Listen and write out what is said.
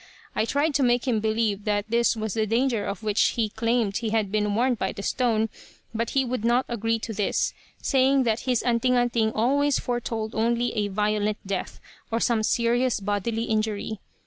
I tried to make him believe that this was the danger of which he claimed he had been warned by the stone, but he would not agree to this, saying that his 'anting anting' always foretold only a violent death, or some serious bodily injury.